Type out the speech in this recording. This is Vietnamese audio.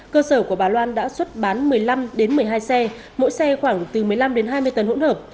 cơ sở của bà loan đã xuất bán một mươi năm một mươi hai xe mỗi xe khoảng từ một mươi năm đến hai mươi tấn hỗn hợp